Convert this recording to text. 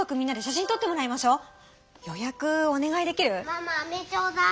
ママあめちょうだい。